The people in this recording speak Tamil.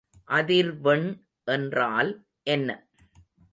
அதிர்வெண் என்றால் என்ன?